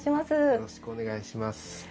よろしくお願いします。